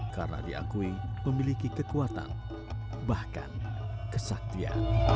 karena diakui memiliki kekuatan bahkan keseluruhan